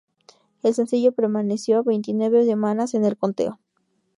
El sencillo permaneció veintinueve semanas en el conteo.